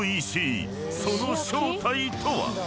［その正体とは⁉］